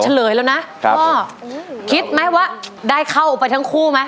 เฉลยแล้วนะพ่อคิดไหมว่าได้เข้าไปทั้งคู่ไหม